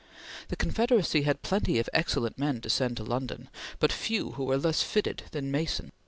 The Confederacy had plenty of excellent men to send to London, but few who were less fitted than Mason.